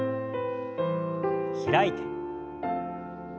開いて。